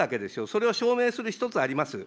それを証明する、１つあります。